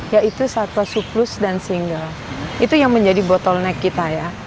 yaitu satwa suplus dan single itu yang menjadi bottleneck kita ya